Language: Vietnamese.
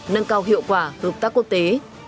nâng cao hiệu quả hợp tác quốc tế